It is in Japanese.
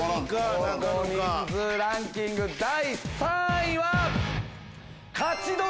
乗降人数ランキング第３位は？